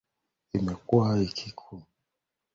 imekuwa ikikiuka matamko ya kimataifa juu ya haki za binadamu